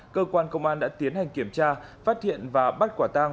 cơ quan công an đã tiến hành kiểm tra phát hiện và bắt quả tang